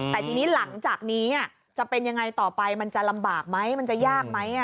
แต่ทีนี้หลังจากนี้จะเป็นยังไงต่อไปมันจะลำบากไหมมันจะยากไหม